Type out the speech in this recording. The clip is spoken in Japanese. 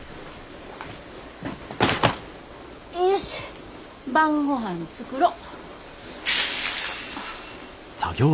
よいしょ晩ごはん作ろ。